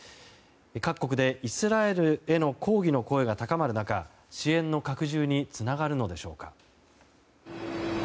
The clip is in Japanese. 各国でイスラエルへの抗議の声が高まる中支援の拡充につながるのでしょうか。